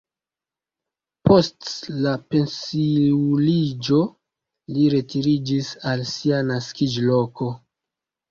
Post la pensiuliĝo li retiriĝis al sia naskiĝloko.